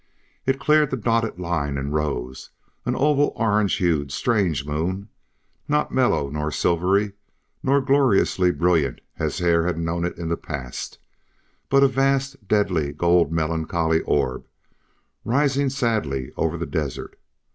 It cleared the dotted line and rose, an oval orange hued strange moon, not mellow nor silvery nor gloriously brilliant as Hare had known it in the past, but a vast dead gold melancholy orb, rising sadly over the desert.